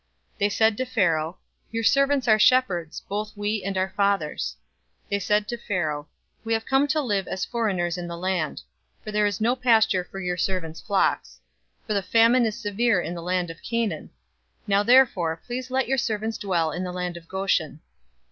They said to Pharaoh, "Your servants are shepherds, both we, and our fathers." 047:004 They said to Pharaoh, "We have come to live as foreigners in the land, for there is no pasture for your servants' flocks. For the famine is severe in the land of Canaan. Now therefore, please let your servants dwell in the land of Goshen."